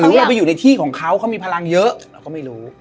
เราไปอยู่ในที่ของเขาเขามีพลังเยอะเราก็ไม่รู้